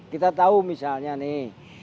kita tahu misalnya nih